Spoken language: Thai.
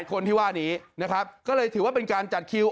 คนที่ว่านี้นะครับก็เลยถือว่าเป็นการจัดคิว